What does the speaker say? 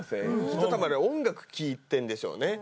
きっと多分音楽聴いてんでしょうね